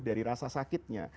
dari rasa sakitnya